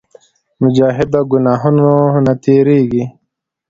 مجاهد د ګناهونو نه تېرېږي.